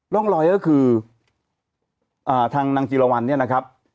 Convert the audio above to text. ร่องรอยก็คือทางนางจิรวรรณเนี่ยนะครับ